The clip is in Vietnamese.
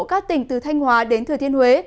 các tỉnh từ thanh hóa đến thừa thiên huế